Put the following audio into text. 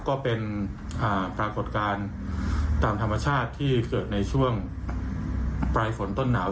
ก็เป็นปรากฏการณ์ตามธรรมชาติที่เกิดในช่วงปลายฝนต้นหนาว